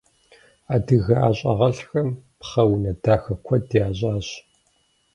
Адыгэ ӀэщӀагъэлӀхэм пхъэ унэ дахэ куэд ящӀащ.